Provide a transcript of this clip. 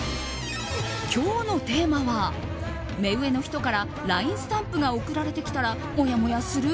今日のテーマは目上の人からＬＩＮＥスタンプが送られてきたらもやもやする？